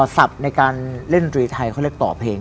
ในการเล่นดนตรีไทยเขาเรียกต่อเพลง